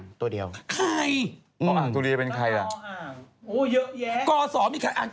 ใช่มั้ยดาราอ๋อ่าง